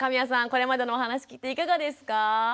これまでのお話聞いていかがですか？